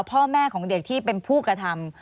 พ่อแม่ของเด็กที่เป็นผู้กระทำ